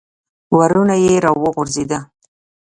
ورونه یې را وغورځېده.